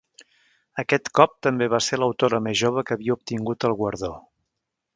Aquest cop també va ser l'autora més jove que havia obtingut el guardó.